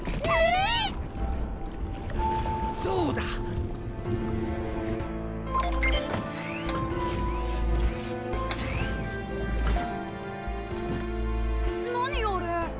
あそうだ！何あれ？